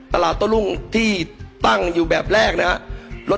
ตลาดโต้รุ่งที่ตั้งอยู่แบบแรกนะครับ